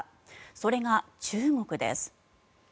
それが中国です。